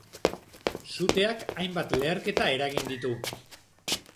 Suteak hainbat leherketa eragin ditu.